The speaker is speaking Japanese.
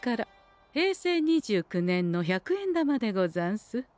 平成２９年の百円玉でござんす。